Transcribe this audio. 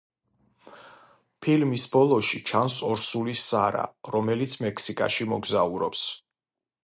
ფილმის ბოლოში ჩანს ორსული სარა რომელიც მექსიკაში მოგზაურობს.